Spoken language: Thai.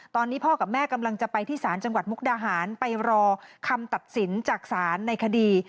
ตอนนี้พ่อกับแม่กำลังจะไปที่ศาลจังหวัดมุกดาหารไปรอคำตัดสินจากศาลในคดี